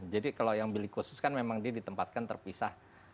jadi kalau yang pilih khusus kan memang dia ditempatkan terpisah